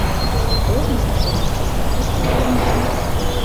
Ожнысо семын мый старысте ыльым гын...